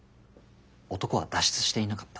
男は脱出していなかった。